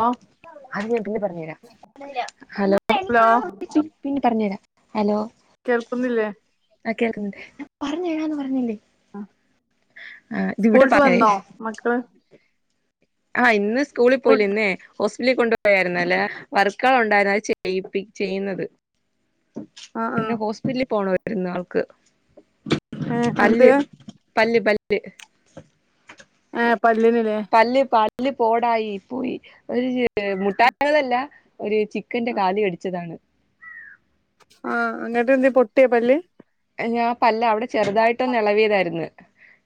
Hello അത് ഞാൻ പിന്നെ പറഞ്ഞു തരാ ഹലോ പിന്നെ പറഞ്ഞരാ ഹലോ കേൾക്കുന്നില്ലേ ആഹ് കേൾക്ക്ന്ന്ണ്ട് സ്കൂൾട്ട് പറഞ്ഞേ വന്നോ മക്കള് ആഹ് ഇന്ന് സ്കൂളിൽ സ്കൂൾ പോയില്ല ഇന്നെ ഹോസ്പിറ്റലിൽ കൊണ്ടുപയായിരുന്നു അല്ലെ വർക്കള് ഉണ്ടായിരുന്നു അത് ചെയ്യിപ്പ ചെയ്യുന്നത് ആ ആ എന്നെ ഹോസ്പിറ്റലില് പോണമായിരുന്നു ആള്ക്ക് ഏ എന്ത് പല്ല് പല്ല് പല്ല് ആഹ് പല്ല്ന്ല്ലേ പല്ല് പല്ല് പോടായി പോയി ഒരു മുട്ടായകളല്ല ഒരു ചി ക്കന്റെ കാല് കടിച്ചതാണ് ആഹ് അങ്ങനട്ടെന്തേ പൊട്ട്യോ പല്ല് ഞാ പല്ല് അവിടെ ചെറുതായിട്ടൊന്ന് ഇളവിയതായിരുന്നു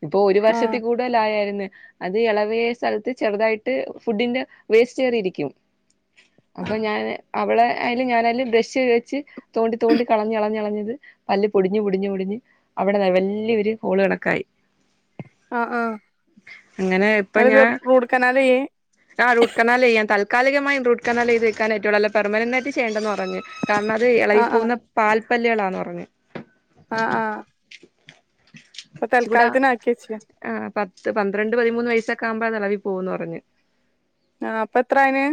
ഇപ്പൊ ഒരു ആ വർഷത്തി കൂടുതലായേര്ന്ന് ആായായിരുന്നു അത് ഇളവിയ സ്ഥലത്ത് ചെറുതായിട്ട് ഫുഡിന്റെ വേസ്റ്റ് കയറിയിരിക്കും അപ്പൊ ഞാന് അവളെ അയില് ഞാനയ്ല് ബ്രഷ് വെച്ച് തോണ്ടി തോണ്ടി കളഞ്ളഞ്ഞളഞ്ഞത് പല് പൊടിഞ് പൊടിഞ് പൊടിഞ് അവിടെ വല്ല്യൊരു ഹോള് കണക്കായി ആഹ് ആഹ് അങ്ങനെ അ ഇങ്‌ട്ത് റൂട്ട് കനാലേയ്യേ ആഹ് റൂട്ട് കാനാലെയ്യാ താൽക്കാലികമായും റൂട്ട്കനാലെയ്ത് വക്കാനേറ്റുള്ളൂ അല്ല പെർമനന്റായിട്ട് ചെയ്യണ്ടന്ന് പറഞ്ഞു കാരണം അത് ആ ഇളകി ആ പോകുന്ന പാൽപ്പല്ലുകളളാന്ന് പറഞ് ആഹ് ആഹ് [inaudible] പ്പ തൽക്കാൽത്തിനാക്ക്യച്ചി ആഹ് പത് പന്ത്രണ്ട് പതിമൂന്ന് വയസ്സൊക്കെ ആഉമ്പോ അതളവി പോവൂന്ന് പറഞ്ഞ് ആഹ് അപ്പൊ എത്രായിന്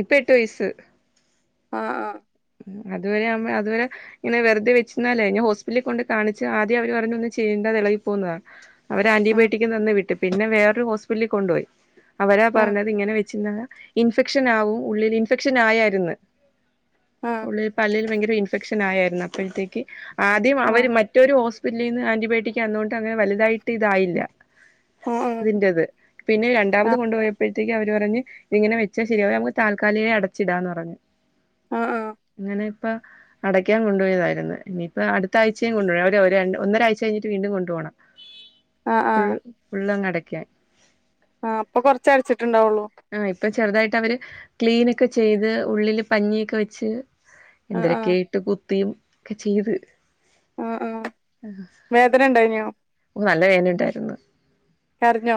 ഇപ്പോ എട്ട് വയസ്സ് ആഹ് ആഹ് അതുവരെ നമ്മ അതുവരെ ഇങ്ങനെ വെറുതെ വെച്ച് ഇന്നാല് ഞാൻ ഹോസ്പിറ്റലിൽ കൊണ്ട് കാണിച്ച് ആദ്യം അവര് പറഞ് ഒന്ന് ചെയ്യണ്ട അതെളകി പോകുന്നതാ അവര് ആ ആന്റിബയോട്ടിക് തന്ന് വിട്ട് പിന്നെ വേറൊരു ഹോസ്പിറ്റലിൽ കൊണ്ടുപോയി അവരാ ആ പറഞ്ഞത് ഇങ്ങെനേ വെ [unintelligible] ഇൻഫെക്ഷൻ ആവും ഉള്ളിൽ ഇൻഫെക്ഷൻ ആയായിരുന്നു ആ ഉള്ളിൽ പല്ലിൽ ഭയങ്കര ഇൻഫെക്ഷൻ ആയായിരുന്നു അപ്പോഴത്തേക്ക് ആദ്യം ആ അവര് മറ്റൊരു ഹോസ് പിന്നെ ഇന്ന് ആന്റിബയോടിക്ക് ആന്നുകൊണ്ട് അങ്ങനെ വലുതായിട്ട് ഇതായില്ല ആഹ് ആഹ് ഇതിന്റത് പിന്നെ രണ്ടാമത് കൊണ്ടു പോയപ്പോഴത്തേക്ക് അവര് പറഞ്ഞ് ഇതിങ്ങനെവെച്ചാ ശരിയാവൂലാ നമ്മുക്ക് ഇത് താൽക്കാലികായി അടച്ചിടാന്ന് പറഞ്ഞു ആ ഇങ്ങനെ ഇപ്പ അടക്കാൻ കൊണ്ടുപോയതായിരുന്നു ഞ്ഞിപോ അടുത്ത ആഴ്ചയും കൊണ്ടുപോണം ഒര് ഒര് ഒന്നരാഴ്ച കഴിഞ്ഞിട്ട് വീണ്ടും കൊണ്ട് പോണം ആ ആ ഫുൾ ആ - ഫുള്ളൊന്ന് അടക്കാൻ ആഹ് ഇപ്പൊകുറച്ച് അടച്ചിട്ടുണ്ടാവുള്ളൂ ആഹ് ഇപ്പൊ ചെറുതായിട്ട് അവര് ക്ലീനൊക്കെ ചെയ്ത് ഉള്ളില് പഞ്ഞിയൊക്കെ വെച്ച് ആ ആ എന്തരൊക്കെയ ആയിട്ട് കുത്തിയും ഒക്കെ ചെയ്ത് ആ ആ വേദന ഉണ്ടായിനോ നല്ല വേദന ഉണ്ടായിരുന്നു കരഞ്ഞോ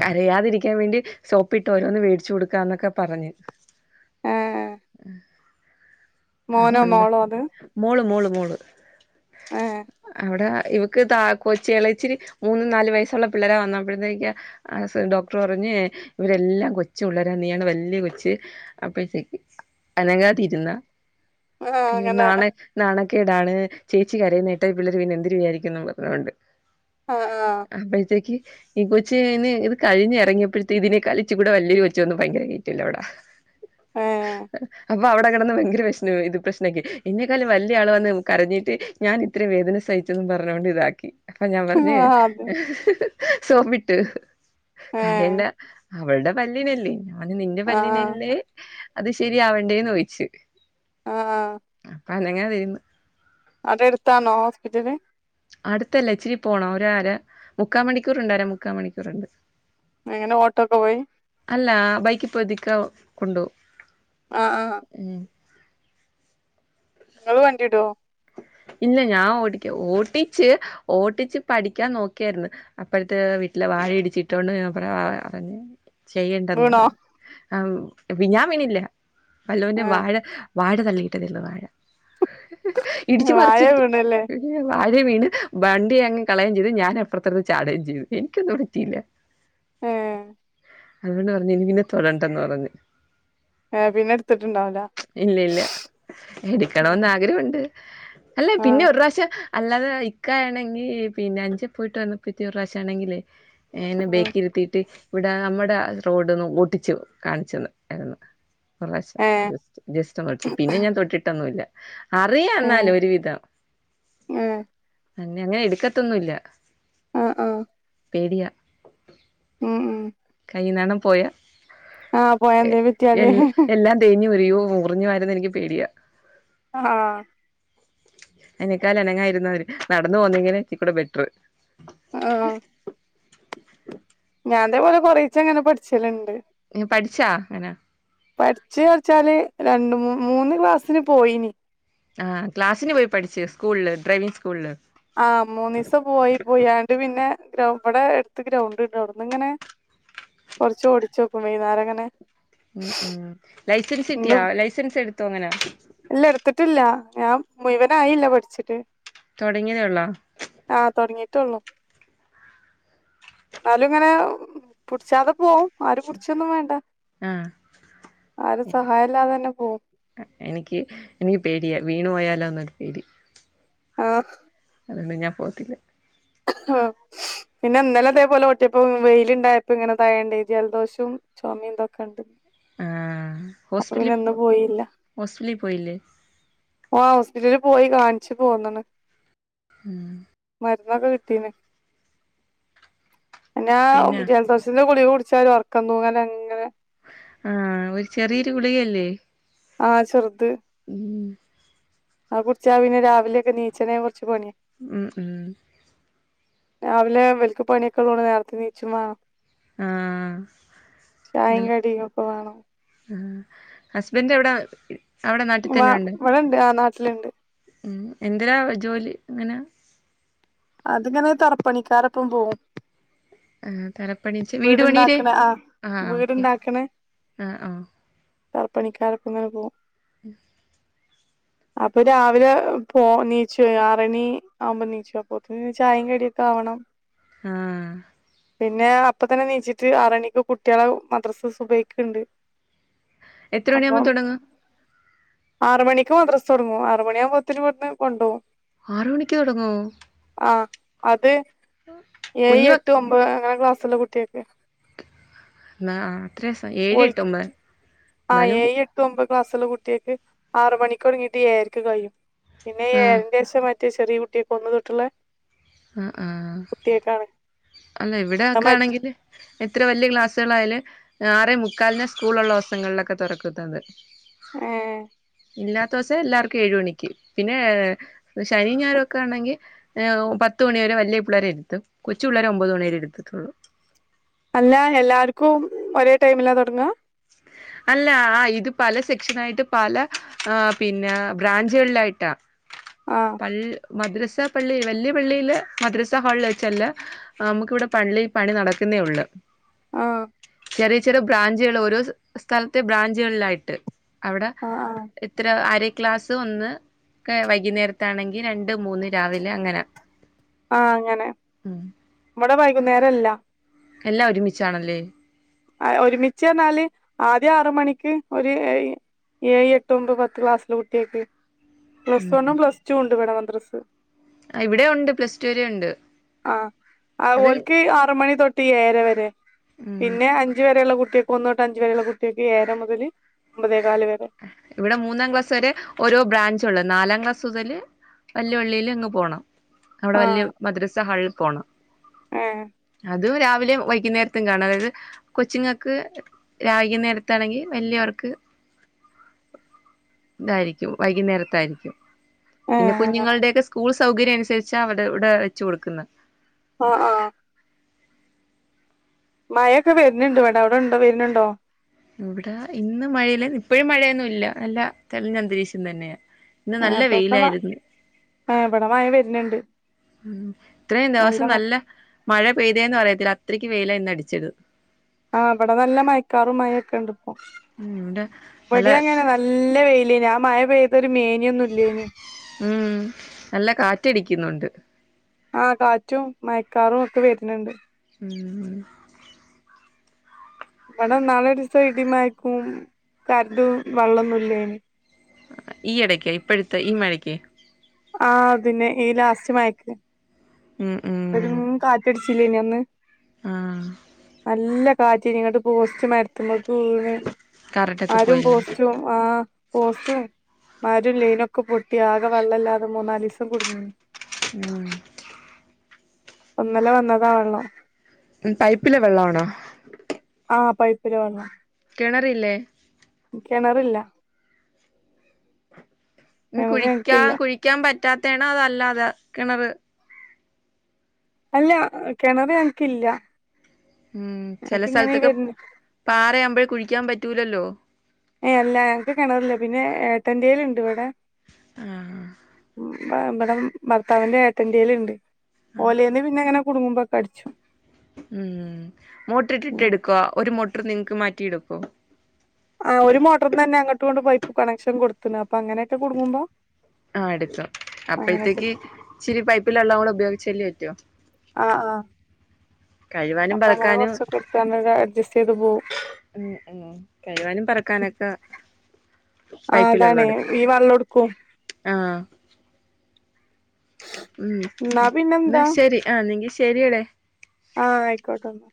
കരയാതിരിക്കാൻ വേണ്ടി സോപ്പിട്ട് ഓരോന്ന് വേടിച്ചു കൊടുക്കാന്നൊക്കെ പറഞ്ഞ് ഏ ആഹ് മോനോ അതുകൊണ്ട് മോളോ അത് മോള് മോള് മോള് ആഹ് അവിടെ ഇവക്ക് താ ക്കൊച്ചി ഇളയച്ചിരി മൂന്ന് നാല് വയസ്സുള്ള പിള്ളരെ വന്നപ്പോയത്തേക് ആഹ് ഡോക്ടർ പറഞ്ഞ് ഇവരെല്ലാം കൊച്ച് പിള്ളരാ നീയാണ് വല്ല്യ കൊച്ച് അപ്പഴത്തേക്ക് അനങ്ങാതിരുന്ന ആ അങ്ങനെ നാണ നാണക്കേടാണ് ചേച്ചി കരയുന്നത് കേട്ടാൽ ഈ പിള്ളേർ പിന്നെ എന്തിര് വിചാരിക്കുംന്ന് പറഞ്ഞോണ്ട് ആഹ് ആഹ് അപ്പഴത്തേക് ഈ കൊച്ച് അയിന് ഇത് കഴിഞ് എറങ്ങിയപ്പഴത്തേന് ഇതിനെകാല് ഇച്ചിരി കൂടെ വലിയൊരു കൊച്ചുവന്ന് ഭയങ്കര നീറ്റലവടെ ഏ അപ്പം അപ്പൊ അവിടെ കടന്ന് ഭയങ്കര പ്രശ്നമായി ഇത് പ്രശ്നാക്കി ഇന്നേക്കാളും വലിയ ആൾ വന്ന് കരഞ്ഞിട്ട് ഞാൻ ഇത്രയും വേദന സഹിച്ചെന്നും പറഞ്ഞോണ്ട് ഇതാക്കി അപ്പൊ ഞാൻ പറഞ്ഞ് ആ അതെ സോപ്പിട്ട് ഏ കരയണ്ട അവളുടെ പല്ലിനല്ലേ? അത് നിന്റെ ആ പല്ലിനല്ലേ അത് ശരിയാവണ്ടേന്ന് ചോയിച്ച് ആഹ് അപ്പൊ അനങ്ങാതിരുന്ന് അവിടെ അടുത്താണോ ഹോസ്പിറ്റല്? അടുത്തല്ല ഇച്ചിരി പോണം ഒര് അര മുക്കാ മണിക്കൂറുണ്ട് അരാ മുക്കാ മണിക്കൂറ്ണ്ട് എങ്ങനെ ഓട്ടോക്കോ പോയി? അല്ല ബൈക്ക് പോയത് ഇക്ക കൊണ്ടുപോകും ആഹ് ആഹ് ഉം ഇങ്ങള് വണ്ടി വിടോ? ഇല്ല ഞാൻ ഓടിക്ക ഓട്ടിച്ച് ഓട്ടിച്ച് പഠിക്കാൻ നോക്കിയായിരുന്നു അപ്പറത്തെ വീട്ടിലെ വാഴ ഇടിച്ചിട്ടോണ്ട് [unintelligible] ചെയ്യണ്ടെന്ന് വീണോ പറഞ്ഞു ആഹ് ഞാൻ വീണില്ല വല്ലോന്റെ ഏ വാഴ വാഴ തള്ളിയിട്ടതെ ഒള്ളു വാഴ ഇടിച്ചു വാഴ പറിച്ചിട്ട് വീണല്ലേ വാഴേം വീണ് വണ്ടി അങ്ങ് കളയും ചെയ്തു ഞാൻ അപ്പറത്ത് എടുത്ത് ചാടുകയും ചെയ്തു എനിക്കൊന്നും പറ്റിയില്ല ആഹ് അതുകൊണ്ട് പറഞ്ഞ് ഇനിയിതിമ്മെ തൊടണ്ടന്ന് പറഞ്ഞു ഏ പിന്നെ എടുത്തിട്ടുണ്ടാവൂല ഇല്ലയില്ല ഉം എടുക്കണംന്ന് ആഗ്രഹവുണ്ട് അല്ല ആ പിന്നെ ഒരു പ്രാവിശ്യം അല്ലാതെ ഇക്ക ആണെങ്കി പിന്നെ അഞ്ചേ പോയിട്ട് വന്നപ്പം ഒരു പ്രാവിശ്യാണെങ്കിലേ എന്നെ ഉം ബേക്കി ഇരുത്തിട്ട് ഇവടെ നമ്മുടെ റോഡ് ഓട്ടിച്ചു കാണിച്ച് തന്നായിരുന്നു ഒരു പ്രാശ്യം ഏ ജസ്റ്റ് ജസ്റ്റൊന്ന് ഓടിച്ച് പിന്നെ ഞാൻ തൊട്ടിട്ടൊന്നുവില്ല അ അറിയാ ഏ എന്നാലും ഒരു വിധം ഏ അങ്ങനെ എടുക്കത്തൊന്നുവില്ല ആഹ് ആഹ് പേടിയ ഉം ഉം കയ്യിന്നാണം പോയ ആ പോയ എ എന്തേ പറ്റിയാല് എല്ലാം എല്ലാം തീ തേഞ്ഞു വരുകയോ മുറിഞ്ഞു വരുന്നോ എനിക്ക് പേടിയാ ആഹ് കാല് അനങ്ങാതിരുന്നവര് നടന്ന് പോന്നങ്കില് കൊറച്ച് കൂടെ ബെറ്ററ് ആഹ് ഞാൻ ഇതേപോലെ കൊറേച്ചെങ്ങനെ പഠിച്ചല്ണ്ട് പഠിച്ചാ അങ്ങനെ പഠിച്ചൂ വെച്ചാല് രണ്ടൂ മൂന്ന് ക്ലാസ്സിന് പോയിന് ആഹ് ക്ലാസിന് പോയി പഠിച്ചു സ്കൂളില് ഡ്രൈവിങ് സ്കൂളില് ആഹ് മൂന്ന് ദിവസം പോയി പോയാണ്ട് പിന്നെ ഗ്ര ഇവിടെ അടുത്ത് ഗ്രൗണ്ട് ഇണ്ട് അവിടന്ന് ഇങ്ങനെ കുറച്ച് ഓടിച്ച്നോക്കും വൈകുന്നേരം അങ്ങനെ ഉം ഉം ലൈസൻസ് ഇന്ന് കിട്ടിയോ ലൈസൻസ് എടുത്തോ അങ്ങനെ ഇല്ല എടുത്തിട്ടില്ല ഞാൻ മുഴുവനായില്ല പഠിച്ചിട്ട് തുടങ്ങിയതേ ഉള്ളോ ആഹ് തൊടങ്ങിട്ടുള്ളൂ എന്നാലും ഇങ്ങനെ പുടിച്ചാതെ പോവും ആരും പിടിച്ചൊന്നും വേണ്ട ആഹ് ആരും സഹായല്ലാതെ തന്നെ പോകും എനിക്ക് എനിക്ക് പേടിയാണ് വീണു പോയാലോ എന്നൊരു പേടി ആഹ് അതുകൊണ്ട് ഞാൻ പോവത്തില്ല ആഹ് പിന്നെ ഇന്നലെ അതേപോലെ ഓട്ടിയപ്പോ വെയില് ഇണ്ടായപ്പോ ഇങ്ങനെ തായേണ്ട് ജലദോഷം ചൊമയും ഇതൊക്കെ ഉണ്ട് ആഹ് അപ്പൊ ഹോസ്പിറ്റലി പിന്നെ ഇന്ന് പോയില്ല ഹോസ്പിറ്റലി പോയില്ലേ ഓഹ് ഹോസ്പിറ്റലില് പോയി കാണിച്ചു പോന്ന്ണ് ഉം മരുന്നൊക്കെ കിട്ടീണ് പിന്നാ പിന്നെ ജലദോഷത്തിന്റെ ഗുളിക കുടിച്ചാല് ഉറക്കം തൂങ്ങല്തന്നെ ആഹ് ഒരു ചെറിയൊരു ഗുളികല്ലേ ആഹ് ചെറുത് ആ കുടിച്ച പിന്നെ രാവിലെ ഒക്കെ നീച്ചണേ കുറച്ച് പണിയാ ഉം ഉം രാവിലെ ഇവർക്ക് പണിയൊക്കെള്ളൂണ്ട് നേരത്തെ നീച്ചും വേണം ആഹ് ആഹ് ചായിം ഇങ്ങള് കടിയും ഒക്കെ വേണം ആഹ് ഹസ്ബൻ്റ് എവിടെ അവിടെ നാട്ടിൽ തന്നെ ഉണ്ട് ഇവിടെണ്ട് ആ നാട്ടിലുണ്ട് എന്തിനാ ജോലി എങ്ങനാ അതിങ്ങനെ തറപ്പണിക്കാരൊപ്പം പോകും ആഹ് തറപ്പണിച്ച് വീട് പണിടെ വീടുണ്ടാക്കണ ആ ആഹ് ഓക്കെ വീടുണ്ടാക്കണ ആഹ് ആഹ് തറപ്പണിക്കാരൊപ്പങ്ങനെ പോവും അപ്പം രാവിലെ പോ നീച്ചൊയ് ആറണി ആവുമ്പോ നീച്ചും ഉം ചായീം കട്യോക്കാവണം ആഹ് പിന്നെ അപ്പതന്നെ നീച്ച്ട്ട് ആറണിക്ക് കുട്ട്യാളെ മദ്റസ് സുബൈക്ക്ണ്ട് എത്ര മണിയാകുമ്പോ അപ്പം തുടങ്ങും ആറ് മണിക്ക് മദ്രസ് തൊടങ്ങും ആറ് മണ്യാവുമ്പോത്തിന് ഇവ്ട്ന്ന് കൊണ്ടോവും ആറ് മണിക്ക് തൊടങ്ങോ ആഹ് അത് ഏഴ്, കുഞ്ഞു എട്ട്, ഒമ്പത് അങ്ങനെ ക്ലാസ്സ്ള്ള കു ട്ട്യേക്ക് ഇന്നാ ആഹ് എത്രേസാ ഏഴ്, എട്ട്, ഒമ്പത് ആഹ് എന്നാലും ഏയ്, എട്ട് ഒമ്പത് ക്ലാസ്സ്ള്ള കുട്ട്യേക്ക് ആറ് മണിക്കൊടങ്ങീട്ട് ഏയരക്ക് കയ്യും പിന്നെ ഈ ആ ഏഴിന്റെശം മറ്റേ ചെറ്യേ കുട്ട്യേക്ക് ഒന്ന് തൊട്ട്ള്ളെ ആഹ് ആഹ് അല്ല ഇവടെ അത് ഒക്കെ മറ്റ് ആണെങ്കില് എത്ര വല്ല്യ ക്ലാസ്സ്കളായാല് ആറേ മുക്കാലിനാ സ്കൂളൊള്ള ദിവസങ്ങളിലൊക്കെ തൊറക്കുന്നത് ഏഹ് ഇല്ലാത്തോസം എല്ലാർക്കും ഏഴ് മണിക്ക് പിന്നേ ശനിയും, ഞായറൊക്കെ ഇണ്ടെങ്കി ഏഹ് ഓഹ് പത് പത്ത് മണി വരെ വല്ല്യ പിള്ളേരെ ഇരുത്തും കൊച്ചു പിള്ളേരെ ഒമ്പത് മണിവരെ ഇര്ത്തത്തൊള്ളു അല്ലാ എല്ലാര്ക്കും ഒരേ ടൈമിലാ തൊടങ്ങാ? അല്ലാ ആഹ് ഇത് പല സെക്ഷനായിട്ട് പല ആഹ് പിന്നെ ബ്രാഞ്ചുകളിലായിട്ടാ ആഹ് പൾ മദ്രസാ പള്ളി വല്ല്യ പള്ളീല് മദ്രസ്സാ ഹാളില് വെച്ചെല്ലാ ആഹ് നമ്മക്കിവടെ പള്ളി പണി നടക്ക്ന്നേ ഒള്ള് ആഹ് ചെറിയ ചെറിയ ബ്രാഞ്ചുകൾ ഓരോ സ് സ്ഥലത്തെ ബ്രാഞ്ചുകളിലായിട്ട് അവടെ ആഹ് ആഹ് ഇത്ര അര ക്ലാസ്സ് ഒന്ന് ക്കെ വൈകുന്നേരത് ത്താണെങ്കി രണ്ട്, മൂന്ന് രാവിലെ അങ്ങനെ ആഹ് അങ്ങനെ ഉം ഇവടെ വൈകുന്നേരെല്ലാ എല്ലാം ഒര്മിച്ചാണല്ലേ ആഹ് ഒര്മിച്ച് പറഞ്ഞാല് ആദ്യ ആറ് മണിക്ക് ഒര് ഏയ് ഏയ്, എട്ട്, ഒമ്പത്, പത്ത് ക്ലാസ്സിലെ കുട്ട്യേക്ക് പ്ലസ് ഉം വണ്ണും പ്ലസ് ടൂണ്ട് ഇവടെ മദ്രസ്സ് ഇവിടെ ഉണ്ട് പ്ലസ് ടു വരെ ഉണ്ട് ആഹ് ആഹ് അത് ഓൽക്ക് ആറ് മണി തൊട് ട്ട് ഏയെര വെരെ ഉം പിന്നെ അഞ്ചു വെരെള്ള കുട്ട്യേക്ക് ഒന്ന് തൊട്ട് അഞ്ചു വരെള്ള കുട്ട്യേക്ക് ഏയെര മുതല് ഒമ്പതേകാല് വരെ ഇവടെ മൂന്നാം ക്ലാസ് വരെ ഓരോ ബ്രാഞ്ചൊള്ളാ നാലാം ക്ലാസ്സു മുതല് വല്യ പള്ളീല് അങ്ങ് പോണം അവടെ വല്ല്യ ആഹ് മദ്രസ്സാ ഹാളില് പോണം ഏഹ് അത് രാവിലേം വൈകുന്നേരത്തും കാണും അതായത് കൊച്ച്ങ്ങക്ക് രാ വൈകുന്നേരത്താണെങ്കി വെല്ല്യവർക്ക് ഇതായിരിക്കും വൈകുന്നേരത്തായിരിക്കും പിന്നെ ഏഹ് കുഞ്ഞുങ്ങളുടെയൊക്കെ സ്കൂൾ സ് സൗകര്യം അനുസരിച്ചാ അവര് ഇവിടെ വെച്ച് കൊടുക്കുന്നെ ആഹ് ആഹ് മഴെയെക്കെ വെര്ന്ന്ണ്ടിവടെ അവടെ ഇണ്ടോ വെര്ണ് ണ്ടോ? ഇവടെ ഇന്ന് മഴയില്ലാ ഇപ്പഴും മഴയൊന്നുല്ലാ നല്ല തെളിഞ്ഞ അന്തരീക്ഷം തന്നെയാ ഇന്ന് ഏഹ് നല്ല ഇപ്പൊ ഇവിടെ മ വെയിലായിര്ന്ന് ഏഹ് ഇവിടെ മഴ വരുന്നുണ്ട് ഉം ഇത്രേം ദിവസം നല്ല മഴ പെയ്തെയാന്ന് പറയത്തില്ലാ അത്രയ്ക്ക് വെയിലാ ഇന്ന് അടിച്ചത് ആഹ് ഇവടെ നല്ല മയക്കാറും മയെക്കെ ഇണ്ട് ഇപ്പം ഉം ഇവിടെ നല്ല ഇവടി അങ്ങനെ നൽ നല്ല വെയിലേനി ആ മഴ പെയ്ത ഒരു മേനിയൊന്നുല്ലേനി ഉം നല്ല കാറ്റടിക്കുന്നൊണ്ട്. ആഹ് കാറ്റും മയക്കാറും ഒക്കെ വെരുന്ന്ണ്ട് ഉം ഇവിടെ ഇന്നാൾ ഒരു ദിവസം ഇടിയും മഴയും കറണ്ടും വെള്ളമൊന്നും ഇല്ലേനു. ഈ ഇടയ്ക്ക് ഇപ്പഴത്തെ ഈ മഴയ്ക്ക്. ആഹ് അതിനെ ഈ ലാസ്റ്റ് മഴയ്ക്ക്. ഉം ഉം പേരും കാറ്റടിച്ചില്ലേനി അന്ന് ആഹ് നല്ല കാറ്റ് ഇങ്ങോട്ട് പോസ്റ്റ് മര മരത്തുമ്മയ്ക്ക് വീണ് കറണ്ടൊക്കെ ആരും പോയില്ലേ പോസ്റ്റും. ആഹ് പോസ്റ്റും മരവും ലൈൻ ഒക്കെ പൊട്ടി ആകെ വെള്ളമില്ലാതെ മൂന്നാലു ദിവസം കുടുങ്ങി. ഉം ഇന്നലെ വന്നത് വെള്ളം. പൈപ്പിലെ വെള്ളം ആണോ? ആഹ് പൈപ്പില് വന്നു. കിണർ ഇല്ലേ? കിണറില്ല. ഉം കിണറ് ഞങ്ങക്കില്ല കുഴിക്കാൻ കുഴിക്കാൻ പറ്റാത്തതാണോ അതോ അല്ലാതെ കിണറ്. അല്ല കിണറ് ഞങ്ങൾക്കില്ല. ഉം ചെല സ്ഥലത്തൊക്കെ വരുന്ന പാറയാവുമ്പോഴേ കുഴിക്കാൻ പറ്റൂലല്ലോ? ഏഹ് അല്ല ഞങ്ങൾക്ക് കിണറില്ല, പിന്നെ ഏട്ടന്റെയിലുണ്ട് ഇവിടെ. ആഹ് ഉം പ്പെ ഇവിടെ ഭർത്താവിന്റെ ഏട്ടന്റെയിലുണ്ട്, ഓല് ആഹ് തന്നെ പിന്നെ അങ്ങനെ. കുടുങ്ങുമ്പോ കടിച്ചു. ഉം മോട്ടറിയിട്ട് എടുക്കുവോ ഒരു മോട്ടർ നിങ്ങൾക്ക് മാറ്റിയെടുക്കുവോ? ആഹ് ഒരു മോട്ടറിന്ന് തന്നെ അങ്ങോട്ട് എങ്ങോട്ടും പൈപ്പ് കണക്ഷൻ കൊടു ത്ത് അപ്പൊ അങ്ങനെയൊക്കെ കുടുങ്ങുമ്പോ ആഹ് എടുക്കും അങ്ങനെ ഒക്കെ. അപ്പോഴത്തേക്ക് ഇച്ചിരി പൈപ്പിലുള്ള കൂടെ ഉപയോഗിച്ചല്ലേ പറ്റോ? ആഹ് ആഹ് കഴുവാനും അപ്പൊ അങ്ങനെ പറക്കാനും കൊറച്ച് ഒക്കെ എടുത്തോണ്ട് അഡ്ജസ്റ്റ് ചെയ്ത് പോവും. ഉം ഉം കഴുവാനും പേരക്കാനും ഒക്കെ. ആഹ് അതാണ് ഈ വെള്ളം എടുക്കും. ആഹ് ഉം എന്നാ ശരി ആഹ് അന്നെങ്കിൽ ശരിയേടെ. ആഹ് ആയിക്കോട്ടെ എന്നാ.